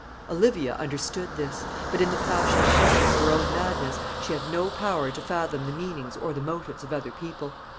Olivia understood this; but in the passionate depth of her own madness she had no power to fathom the meanings or the motives of other people.